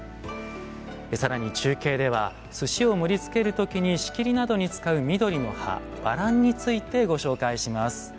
更に中継では寿司を盛りつける時に仕切りなどに使う緑の葉バランについてご紹介します。